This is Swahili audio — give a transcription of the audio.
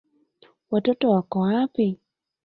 Watoto wako wapi?